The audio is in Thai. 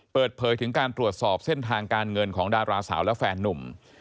เปิดเผยถึงการตรวจสอบเส้นทางการเงินของดาราสาวและแฟนนุ่ม